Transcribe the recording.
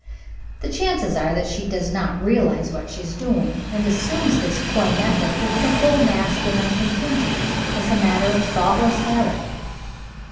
The chances are that she does not realize what she is doing, and assumes this coy method with the whole masculine contingent as a matter of thoughtless habit.